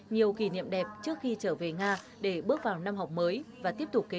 nhiều kỷ niệm đẹp trước khi trở về nga để bước vào năm học mới